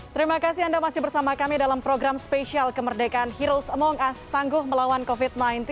terima kasih anda masih bersama kami dalam program spesial kemerdekaan heroes among us tangguh melawan covid sembilan belas